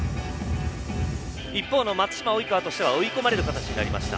一方の松島、及川としては追い込まれる形になりました。